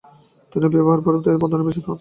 তিনি ঐ বিহারের পরবর্তী প্রধান নির্বাচিত হন।